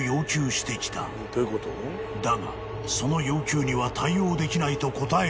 ［だがその要求には対応できないと答えると］